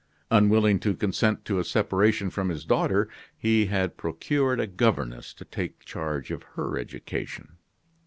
Unwilling to consent to a separation from his daughter, he had procured a governess to take charge of her education.